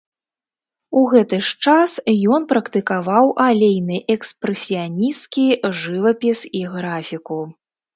У гэты ж час ён практыкаваў алейны экспрэсіянісцкі жывапіс і графіку.